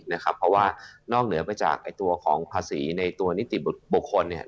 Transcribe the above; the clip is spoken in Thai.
เพราะว่านอกเหนือไปจากตัวของภาษีในตัวนิติบุคคลเนี่ย